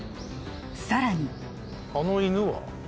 さらにあの犬は？